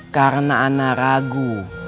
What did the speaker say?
karena anak ragu